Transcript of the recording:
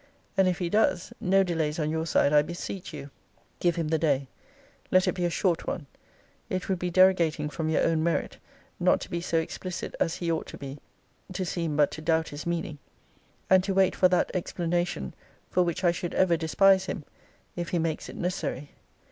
And if he does, no delays on your side, I beseech you. Give him the day. Let it be a short one. It would be derogating from your own merit, not to be so explicit as he ought to be, to seem but to doubt his meaning; and to wait for that explanation for which I should ever despise him, if he makes it necessary.